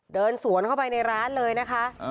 เดินสวนเข้าไปในร้านเลยนะคะ